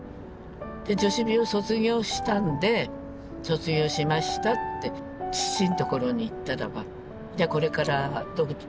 女子美を卒業したんで卒業しましたって父のところに行ったらば「これからどうするんだ？